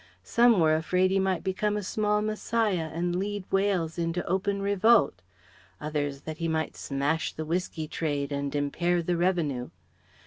Some were afraid he might become a small Messiah and lead Wales into open revolt; others that he might smash the whiskey trade and impair the revenue.